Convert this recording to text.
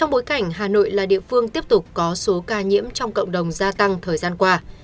trong bối cảnh hà nội là địa phương tiếp tục có số ca nhiễm trong cộng đồng gia tăng thời gian qua